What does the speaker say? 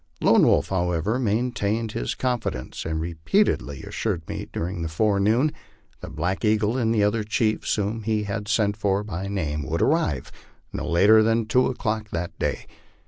Lone Wolf, however, maintained his confidence, and repeatedly as sured me during the forenoon that Black Eagle and the other chiefs, whom he had sent for by name, would arrive not later than two o'clock that day.